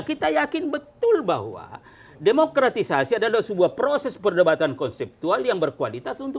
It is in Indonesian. kita yakin betul bahwa demokratisasi adalah sebuah proses perdebatan konseptual yang berkualitas untuk